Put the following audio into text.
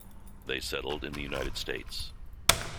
They settled in the United States.